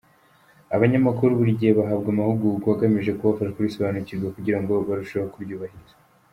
Abanyamakuru buri gihe bahabwa amahugugwa agamije kubafasha kurisobanukirwa kugira ngo barusheho kuryubahiriza.